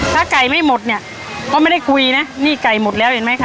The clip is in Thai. ถ้าไก่ไม่หมดเนี่ยก็ไม่ได้คุยนะนี่ไก่หมดแล้วเห็นไหมคะ